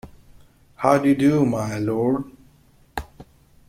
How do you do, my Lord?